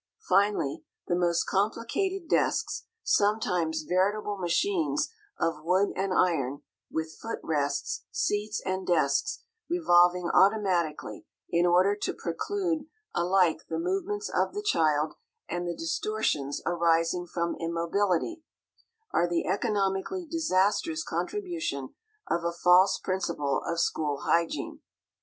Finally, the most complicated desks, sometimes veritable machines of wood and iron, with foot rests, seats, and desks revolving automatically, in order to preclude alike the movements of the child and the distortions arising from immobility, are the economically disastrous contribution of a false principle of "school hygiene."